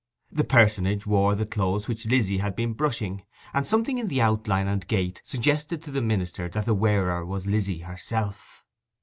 The personage wore the clothes which Lizzy had been brushing, and something in the outline and gait suggested to the minister that the wearer was Lizzy herself.